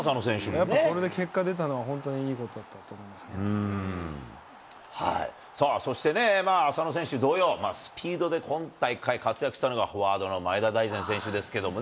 やっぱこれで結果出たのは、さあそしてね、浅野選手同様、スピードで今大会活躍したのが、フォワードの前田大然選手ですけどもね。